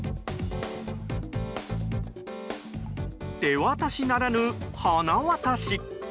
手渡しならぬ、鼻渡し。